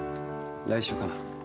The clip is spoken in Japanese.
来週かな。